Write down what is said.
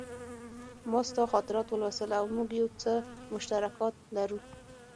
ما ستا خاطرات ولوستل او موږ یو څه مشترکات لرو